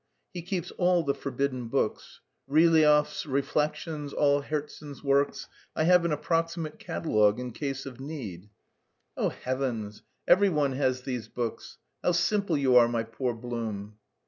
He keeps all the forbidden books, Ryliev's 'Reflections,' all Herzen's works.... I have an approximate catalogue, in case of need." "Oh heavens! Every one has these books; how simple you are, my poor Blum."